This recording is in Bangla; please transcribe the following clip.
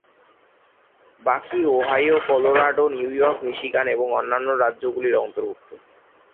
বাকী Ohio, Colorado, New York, Michigan, এবং অন্যান্য রাজ্যগুলির অন্তর্ভুক্ত।